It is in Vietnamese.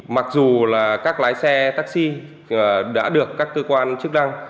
mặc dù là các lái xe taxi đã được các cơ quan chức năng